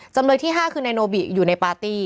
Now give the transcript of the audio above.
จำเลยที่๕คือนายโนบิอยู่ในปาร์ตี้